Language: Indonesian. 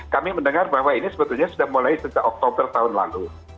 kami mendengar bahwa ini sebetulnya sudah mulai sejak oktober tahun lalu